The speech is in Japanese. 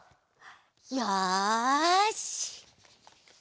よし！